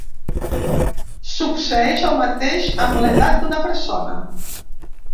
Succeeix el mateix amb l'edat d'una persona.